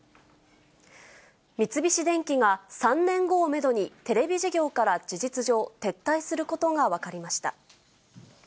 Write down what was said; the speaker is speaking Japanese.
三菱電機が３年後をメドに、テレビ事業から事実上、撤退することが分かりました。